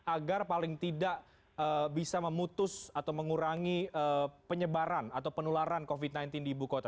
agar paling tidak bisa memutus atau mengurangi penyebaran atau penularan covid sembilan belas di ibu kota